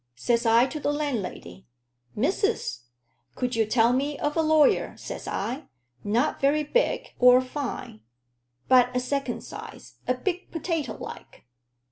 Says I to the landlady, 'Missus, could you tell me of a lawyer,' says I, 'not very big or fine, but a second size a big potato, like?'